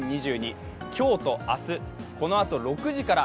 今日と明日、このあと６時から。